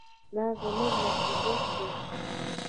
دا زموږ مسوولیت دی.